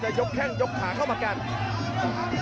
ขวางแขงขวาเจอเททิ้ง